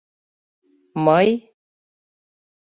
Мый?..